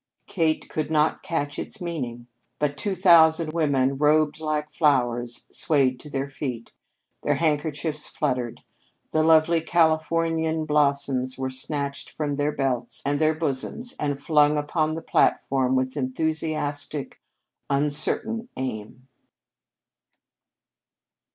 Kate could not catch its meaning, but two thousand women, robed like flowers, swayed to their feet. Their handkerchiefs fluttered. The lovely Californian blossoms were snatched from their belts and their bosoms and flung upon the platform with enthusiastic, uncertain aim.